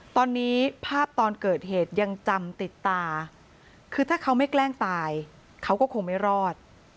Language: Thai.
ตอนนี้ภาพตอนเกิดเหตุยังจำติดตาคือถ้าเขาไม่แกล้งตายเขาก็คงไม่รอด